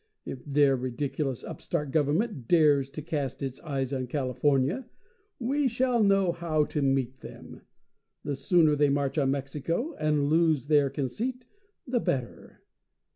If their ridiculous upstart government dares to cast its eyes on California we shall know how to meet them the sooner they march on Mexico and lose their conceit the better.